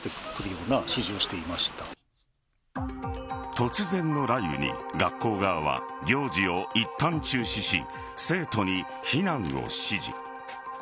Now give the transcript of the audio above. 突然の雷雨に学校側は行事をいったん中止し生徒に避難を指示。